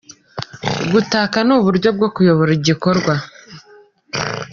Gutaka ni uburyo bwo kuyobora igikorwa.